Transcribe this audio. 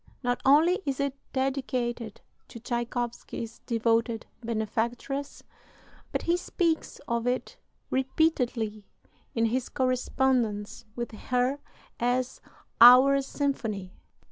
Not only is it dedicated to Tschaikowsky's devoted benefactress, but he speaks of it repeatedly in his correspondence with her as "our" symphony.